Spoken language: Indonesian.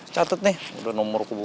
catet nih udah nomor kubu